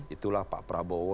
itulah pak prabowo